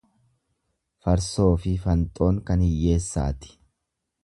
Farsoofi fanxoon kan hiyyeessaati.